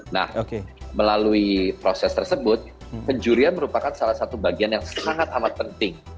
nah melalui proses tersebut penjurian merupakan salah satu bagian yang sangat amat penting